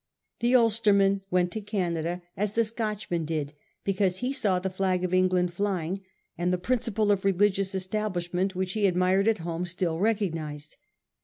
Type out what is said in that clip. The Ulsterman went to Canada as the Scotchman did, because he saw the flag of England flying, and the principle of religious establishment which he admired at home still recognised.